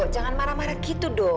jangan marah marah gitu dong